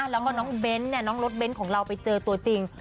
แล้วก็น้องเบ้นน้องรถเบ้นของเราไปเจอตัวจริง